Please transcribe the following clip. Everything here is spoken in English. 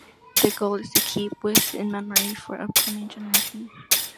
Their goal is to keep Wyss in memory for the upcoming generation.